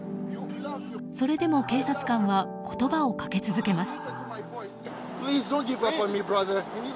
それでも警察官は言葉をかけ続けます。